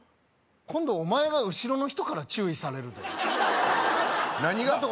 今度お前が後ろの人から注意されるで何が？